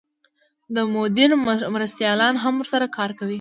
د مدیر مرستیالان هم ورسره کار کوي.